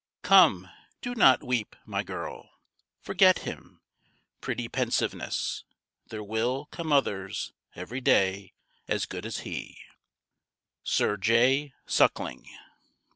Come, do not weep, my girl, Forget him, pretty pensiveness; there will Come others, every day, as good as he. SIR J. SUCKLING.